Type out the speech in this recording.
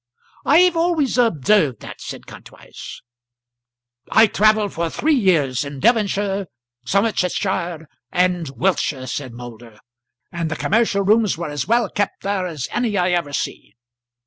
"I've always observed that," said Kantwise. "I travelled for three years in Devonshire, Somersetshire, and Wiltshire," said Moulder, "and the commercial rooms were as well kept there as any I ever see."